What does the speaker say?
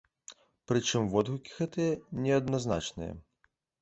Прычым водгукі гэтыя неадназначныя.